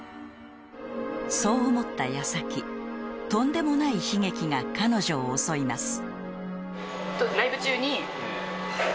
［そう思った矢先とんでもない悲劇が彼女を襲います］